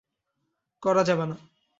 করা যাবে না।